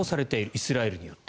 イスラエルによって。